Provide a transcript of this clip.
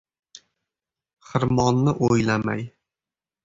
Xirmonni o‘ylamay